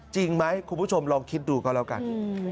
จริงไหมคุณผู้ชมลองคิดดูก็แล้วกัน